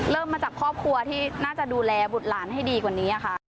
มาจากครอบครัวที่น่าจะดูแลบุตรหลานให้ดีกว่านี้ค่ะ